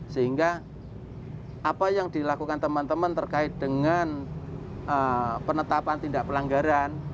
sehingga apa yang dilakukan teman teman terkait dengan penetapan tindak pelanggaran